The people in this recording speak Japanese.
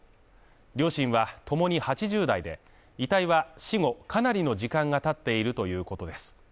両親はともに８０代で遺体は、死後かなりの時間が経っているということです。